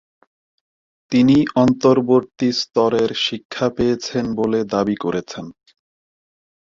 তিনি অন্তর্বর্তী স্তরের শিক্ষা পেয়েছেন বলে দাবি করেছেন।